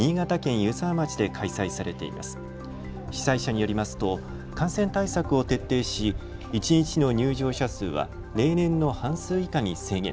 主催者によりますと感染対策を徹底し一日の入場者数は例年の半数以下に制限。